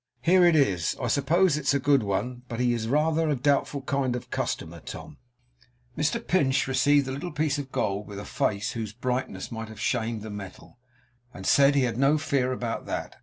Here it is. I suppose it's a good one, but he is rather a doubtful kind of customer, Tom.' Mr Pinch received the little piece of gold with a face whose brightness might have shamed the metal; and said he had no fear about that.